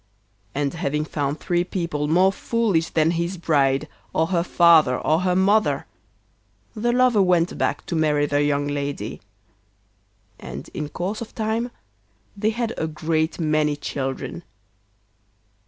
And having found three people more foolish than his bride, or her father or her mother, the lover went back to marry the young lady. And in course of time they had a great many children.